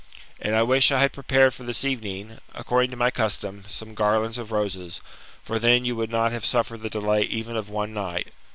And I wish I had prepared for this evening, according to my custom, some garlands of roses ; for then you would not have suffered the delay even of one night.